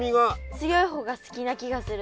強い方が好きな気がする。